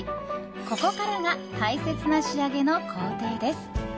ここからが大切な仕上げの工程です。